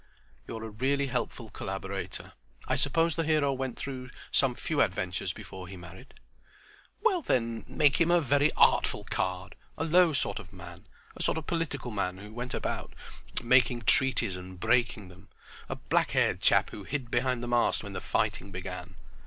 "You're a really helpful collaborator. I suppose the hero went through some few adventures before he married." "Well then, make him a very artful card—a low sort of man—a sort of political man who went about making treaties and breaking them—a black haired chap who hid behind the mast when the fighting began."